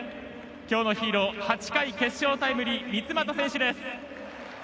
きょうのヒーロー８回の決勝タイムリー三ツ俣選手です。